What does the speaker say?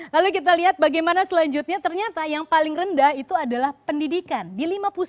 lalu kita lihat bagaimana selanjutnya ternyata yang paling rendah itu adalah pendidikan di lima puluh sembilan